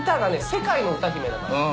世界の歌姫だから。